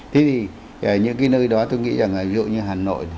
thế thì ở những cái nơi đó tôi nghĩ rằng là ví dụ như hà nội